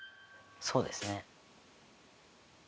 そうですね。